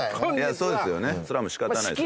それはもう仕方ないです